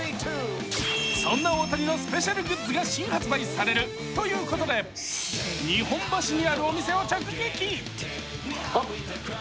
そんな大谷のスペシャルグッズが新発売されるということで、日本橋にあるお店を直撃。